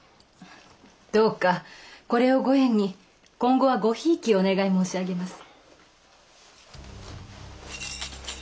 どうかこれをご縁に今後はごひいきをお願い申し上げます。